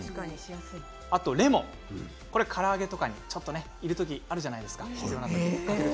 あとレモンはから揚げとかにちょっと必要なときあるじゃないですか。